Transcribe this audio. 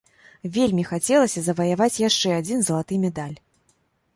Вельмі хацелася заваяваць яшчэ адзін залаты медаль.